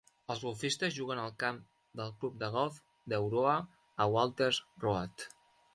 Els golfistes juguen al camp del Club de Golf d'Euroa, a Walters Road.